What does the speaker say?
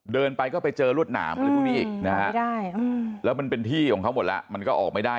เดินไปก็ไปเจอรวดหนามอะไรพวกนี้อีกนะฮะแล้วมันเป็นที่ของเขาหมดแล้วมันก็ออกไม่ได้